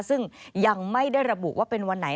ซึ่งยังไม่ได้ระบุว่าเป็นวันไหน